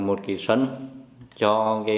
một kỳ xuất cho